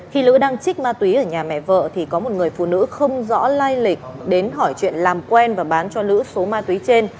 khi lữ đang trích ma túy ở nhà mẹ vợ thì có một người phụ nữ không rõ lai lịch đến hỏi chuyện làm quen và bán cho lữ số ma túy trên